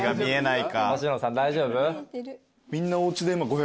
星野さん大丈夫？